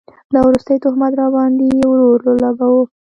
دا وروستی تهمت راباند ې ورور اولګوو